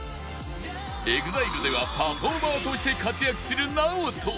ＥＸＩＬＥ ではパフォーマーとして活躍する ＮＡＯＴＯ